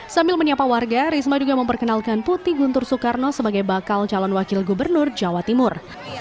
sambil menyapa warga risma juga memperkenalkan putih guntur soekarno sebagai bakal calon wakil gubernur jawa timur